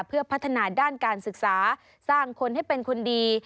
เพื่อพัฒนาด้านการศึกษาสร้างคนให้เป็นคนดี